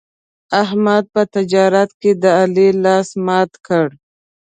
احمد په تجارت کې د علي لاس مات کړ.